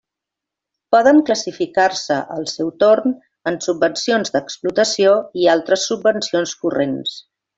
Poden classificar-se al seu torn en: subvencions d'explotació i altres subvencions corrents.